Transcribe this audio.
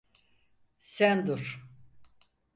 Sen dur.